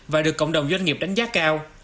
và được cộng đồng doanh nghiệp đánh giá cao